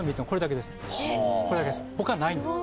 他ないんです